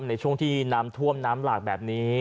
ในช่วงที่น้ำท่วมน้ำหลากแบบนี้